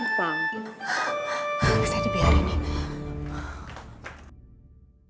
bisa dibiarin nih